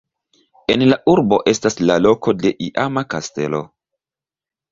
En la urbo estas la loko de iama kastelo.